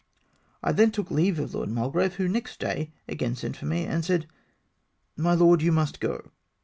I then took leave of Lord Mulgrave, who, next day, again sent for me, when he said, " My lord, you must go.